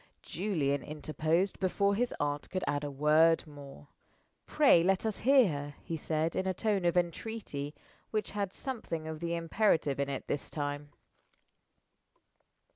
Julian interposed before his aunt could add a word more. "Pray let us hear her," he said, in a tone of entreaty which had something of the imperative in it this time.